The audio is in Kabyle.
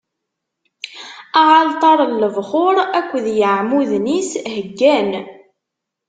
Aɛalṭar n lebxuṛ akked yeɛmuden-is heggan.